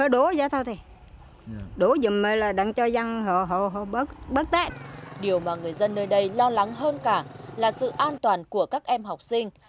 điều mà người dân nơi đây lo lắng hơn cả là sự an toàn của các em học sinh